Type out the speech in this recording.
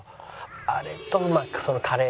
あれとまあカレー